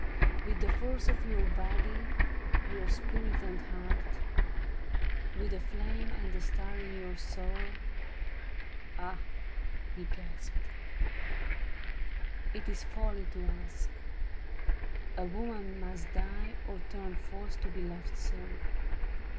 — With the force of your body, your spirit, and heart ? With a flame and a star in your soul ? Ah !" he gasped, " It is folly to ask : a woman must die Or turn false to be loved so.